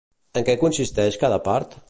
En què consisteix cada part?